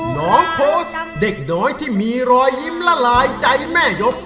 น้องโพสต์เด็กน้อยที่มีรอยยิ้มละลายใจแม่ยก